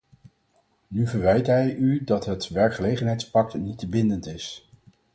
Nu verwijt hij u dat het werkgelegenheidspact niet bindend is.